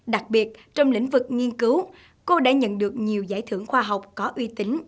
đặc biệt trong lĩnh vực nghiên cứu cô đã nhận được nhiều giải thưởng khoa học có uy tín